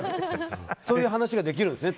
そういう話ができるんですね